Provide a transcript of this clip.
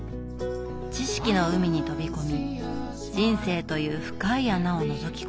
知識の海に飛び込み人生という深い穴をのぞき込む。